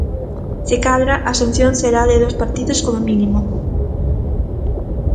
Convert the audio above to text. Se cadra, a sanción será de dous partidos como mínimo.